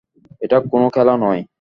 এটা কোন খেলা নয়।